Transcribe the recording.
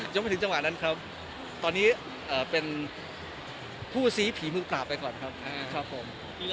ยังไม่ถึงจังหวะนั้นครับตอนนี้เป็นผู้ซี้ผีมือปราบไปก่อนครับครับผม